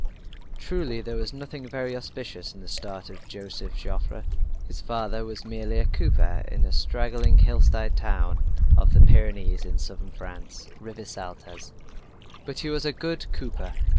Truly there was nothing very auspicious in the start of Joseph Joffre. His father was merely a cooper in a straggling hillside town of the Pyrenees in Southern France, Rivesaltas but he was a good cooper.